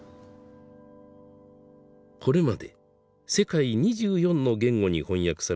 これまで世界２４の言語に翻訳されてきた「はだしのゲン」。